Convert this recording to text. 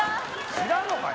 知らんのかい！